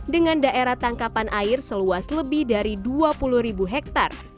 dengan daerah tangkapan air seluas lebih dari dua puluh ribu hektare